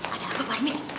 ada apa panik